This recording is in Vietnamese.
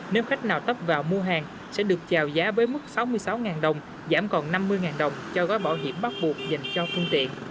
nếu khách nào tấp vào mua hàng sẽ được trào giá với mức sáu mươi sáu đồng giảm còn năm mươi đồng cho gói bảo hiểm bắt buộc dành cho phương tiện